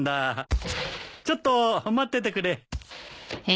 ちょっと待っててくれ。